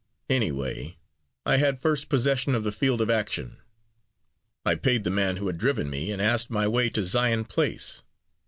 Any way, I had first possession of the field of action. I paid the man who had driven me, and asked my way to Zion Place.